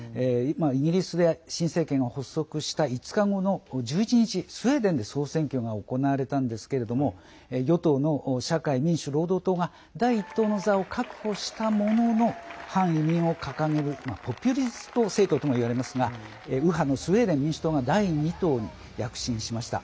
イギリスで新政権が発足した５日後の１１日スウェーデンで総選挙が行われたんですけれども与党の社会民主労働党が第１党の座を確保したものの反移民を掲げるポピュリスト政党ともいわれますが右派のスウェーデン民主党が第２党に躍進しました。